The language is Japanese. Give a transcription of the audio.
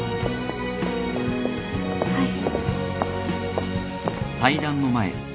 はい。